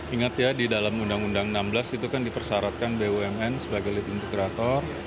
ingat ya di dalam undang undang enam belas itu kan dipersyaratkan bumn sebagai lead integrator